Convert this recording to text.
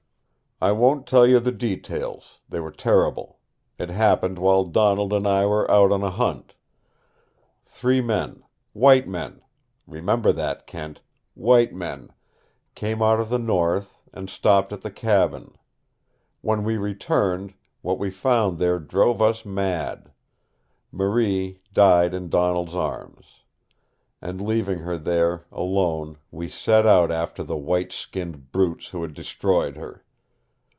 "I won't tell you the details. They were terrible. It happened while Donald and I were out on a hunt. Three men white men remember that, Kent; WHITE MEN came out of the North and stopped at the cabin. When we returned, what we found there drove us mad. Marie died in Donald's arms. And leaving her there, alone, we set out after the white skinned brutes who had destroyed her.